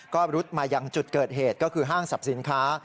ก็รุดมายังจุดเกิดเหตุก็คือห้างสรรพสินค้า